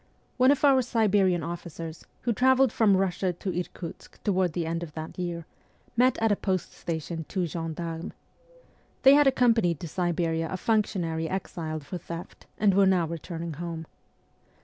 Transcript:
One of our Siberian officers, who travelled from Eussia to Irkutsk toward ST. PETERSBURG 37 the end of that year, met at a post station two gendarmes. They had accompanied to Siberia a functionary exiled for theft, and were now returning home.